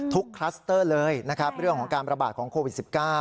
คลัสเตอร์เลยนะครับเรื่องของการประบาดของโควิด๑๙